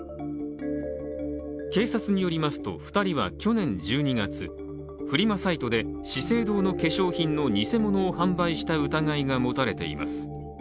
警察によりますと２人は去年１２月、フリマサイトで資生堂の化粧品の偽物を販売した疑いが持たれています。